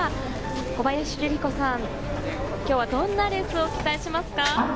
小林さん、今日はどんなレースを期待しますか？